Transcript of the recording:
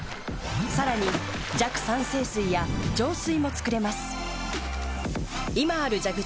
さらに弱酸性水や浄水も作れます。